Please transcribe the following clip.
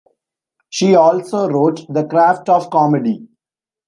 She also wrote "The Craft of Comedy".